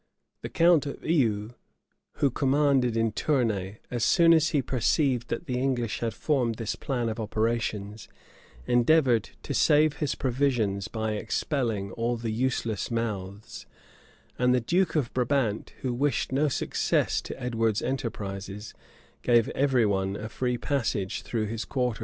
[*] The count of Eu, who commanded in Tournay, as soon as he perceived that the English had formed this plan of operations endeavored to save his provisions by expelling all the useless mouths; and the duke of Brabant, who wished no success to Edward's enterprises, gave every one a free passage through his quarters.